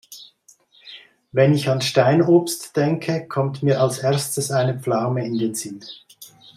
Wenn ich an Steinobst denke, kommt mir als Erstes eine Pflaume in den Sinn.